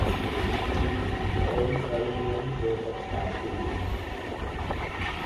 ប្អូនស្រីនាង ចូលចិត្ត ឆ្កែតឿ ។